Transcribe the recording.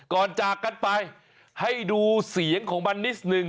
จากกันไปให้ดูเสียงของมันนิดนึง